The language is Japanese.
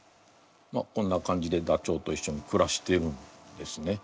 こんな感じでダチョウと一緒にくらしてるんですね。